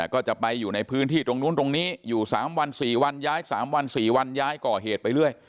ก็จะไปอยู่ในพื้นที่ตรงนู้นตรงนี้อยู่๓วัน๔วันย้าย๓วัน๔วันย้ายก่อเหตุไปเรื่อย